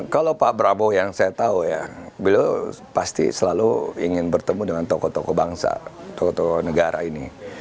kalau pak prabowo yang saya tahu ya beliau pasti selalu ingin bertemu dengan tokoh tokoh bangsa tokoh tokoh negara ini